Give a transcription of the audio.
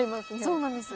そうなんです。